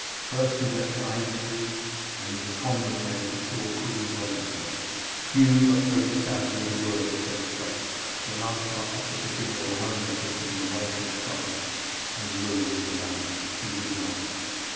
First he went to Amesbury, and in the convent there he saw Queen Gwenevere. Few but very sad were the words they spake. Sir Lancelot offered to give her a home in Brittany, away from the trouble and the ruin of the land, but she would not.